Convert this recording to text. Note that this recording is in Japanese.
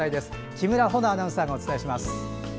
木村穂乃アナウンサーがお伝えします。